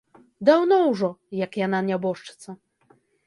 Даўно ўжо, як яна нябожчыца.